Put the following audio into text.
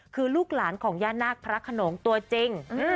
คือลูกหลานของย่านาคพระขนงตัวจริง